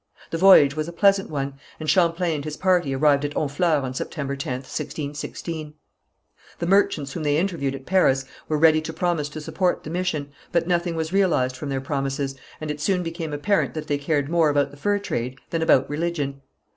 The voyage was a pleasant one, and Champlain and his party arrived at Honfleur on September 10th, 1616. The merchants whom they interviewed at Paris were ready to promise to support the mission, but nothing was realized from their promises, and it soon became apparent that they cared more about the fur trade than about religion.